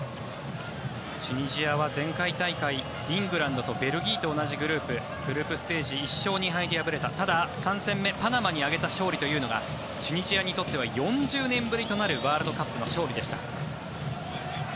チュニジアは前回大会イングランドとベルギーと同じグループグループステージ１勝２敗で敗れたただ、３戦目パナマに挙げた勝利というのがチュニジアにとっては４０年ぶりとなるワールドカップでの勝利でした。